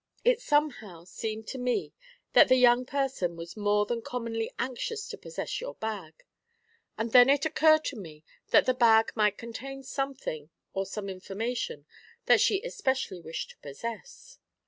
It somehow seemed to me that the young person was more than commonly anxious to possess your bag, and then it occurred to me that the bag might contain something or some information that she especially wished to possess.